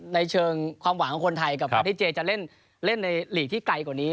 ในเชิงความหวังของคนไทยกับวันที่เจจะเล่นในหลีกที่ไกลกว่านี้